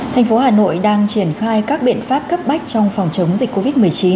thành phố hà nội đang triển khai các biện pháp cấp bách trong phòng chống dịch covid một mươi chín